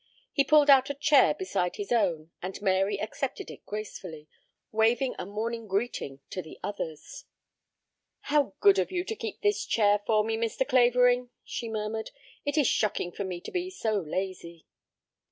He pulled out a chair beside his own, and Mary accepted it gracefully, waving a morning greeting to the others. "How good of you to keep this chair for me, Mr. Clavering," she murmured. "It is shocking of me to be so lazy."